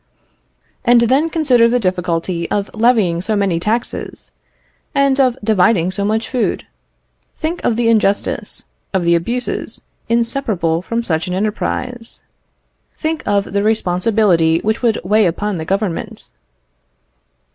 And then consider the difficulty of levying so many taxes, and of dividing so much food. Think of the injustice, of the abuses inseparable from such an enterprise. Think of the responsibility which would weigh upon the Government.